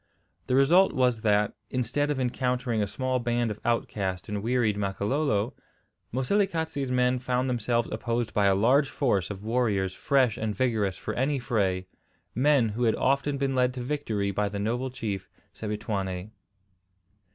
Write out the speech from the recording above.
The result was that, instead of encountering a small band of outcast and wearied Makololo, Moselekatse's men found themselves opposed by a large force of warriors fresh and vigorous for any fray, men who had often been led to victory by the noble chief Sebituane.